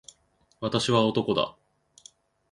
私は男だ。